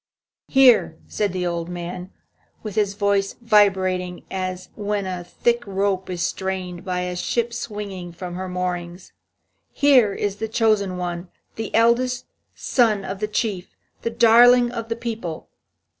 "Here," said the old man, with his voice vibrating as when a thick rope is strained by a ship swinging from her moorings, "here is the chosen one, the eldest son of the Chief, the darling of the people.